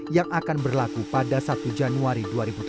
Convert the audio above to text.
yang akan berlaku pada satu januari dua ribu tujuh belas